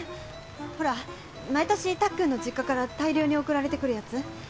ほら毎年たっくんの実家から大量に送られてくるやつ。